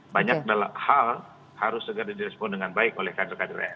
banyak hal harus segera direspon dengan baik oleh kader kadernya